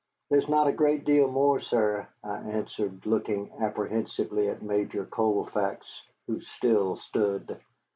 "There's not a great deal more, sir," I answered, looking apprehensively at Major Colfax, who still stood.